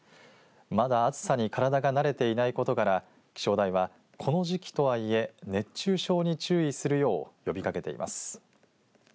まだ暑さに体が慣れていないことから気象台はこの時期とはいえ熱中症に注意するよう呼びかけています。